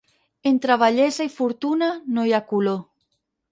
Entre bellesa i fortuna no hi ha color.